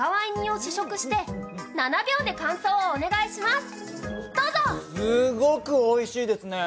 すっごくおいしいですね。